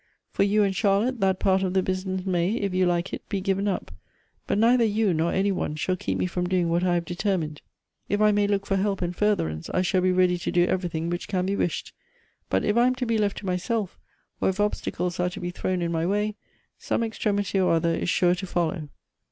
For you and Charlotte, that part of the business may, if you like it, be given up ; but neither you nor any one shall keep me from doing what I have determined. If I may look for help and furtherance, I shall be ready to do everything which can be wished ; but if I am to be left to myself, or if obstacles are to be thrown in my way, some extremity or other is sure to follow."